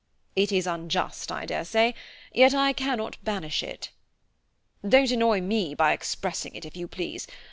It is unjust, I dare say, yet I cannot banish it." "Don't annoy me by expressing it, if you please.